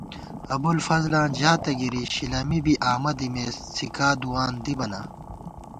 ابُوالفضلاں ژاتہ گِری شِلَمی بی آمہ دِمېس څھِکادُوان دِبہ نا